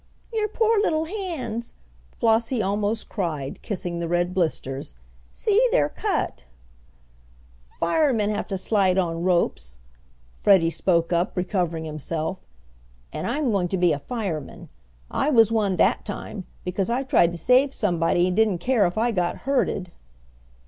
"Your poor little hands!" Flossie almost cried, kissing the red blisters. "See, they're cut!" "Firemen have to slide on ropes!" Freddie spoke up, recovering himself, "and I'm going to be a fireman. I was one that time, because I tried to save somebody and didn't care if I got hurted!"